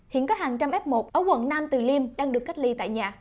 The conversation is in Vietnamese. hiện có hàng trăm f một ở quận nam từ liêm đang được cách ly tại nhà